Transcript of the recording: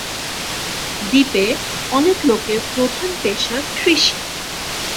দ্বীপে অনেক লোকের প্রধান পেশা কৃষি।